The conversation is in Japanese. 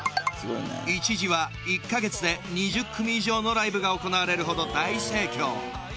一時は１か月で２０組以上のライブが行われるほど大盛況